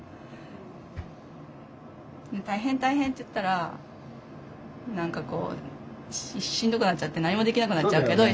大変大変って言ったら何かこうしんどくなっちゃって何もできなくなっちゃうけど一緒に。